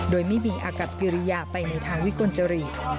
โดยไม่มีอากับกิริยาไปในทางวิกลจริต